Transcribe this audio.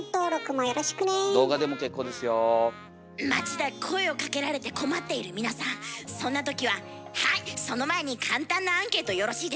街で声をかけられて困っている皆さんそんなときは「はいその前に簡単なアンケートよろしいですか？